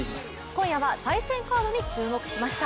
今夜は対戦カードに注目しました。